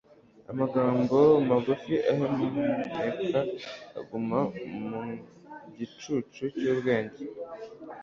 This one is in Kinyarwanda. Amagambo magufi ahumeka aguma mu gicucu cy' ubwenge